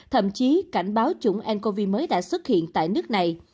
thậm chí cảnh báo chủng ncov mới đã xuất hiện tại nước này